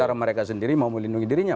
cara mereka sendiri mau melindungi dirinya